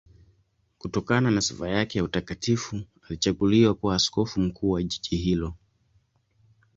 Kutokana na sifa yake ya utakatifu alichaguliwa kuwa askofu mkuu wa jiji hilo.